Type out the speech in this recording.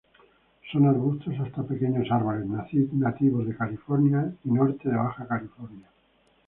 Son arbustos hasta pequeños árboles, nativos de California y norte de Baja California.